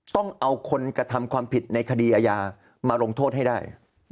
ต้องเอาคนกระทำความผิดในคดีอาญามาลงโทษให้ได้